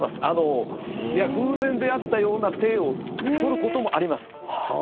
偶然出会ったような体を取ることもあります。